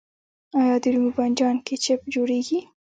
آیا د رومي بانجان کیچپ جوړیږي؟